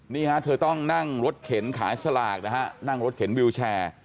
นี่ฮะเธอต้องนั่งรถเข็นขายสลากนะฮะนั่งรถเข็นวิวแชร์